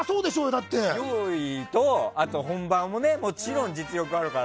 用意と本番ももちろん、実力あるから。